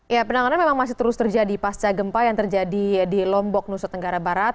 ya penanganan memang masih terus terjadi pasca gempa yang terjadi di lombok nusa tenggara barat